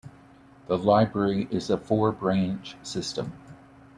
The library is a four-branch system.